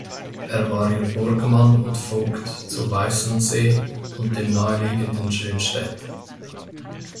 Er war ihr Burgmann und Vogt zu Weißensee und dem naheliegenden Schönstedt.